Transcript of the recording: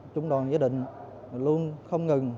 trung đoàn gia đình luôn không ngừng